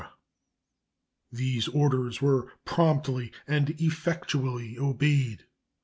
These orders were promptly and effectually obeyed.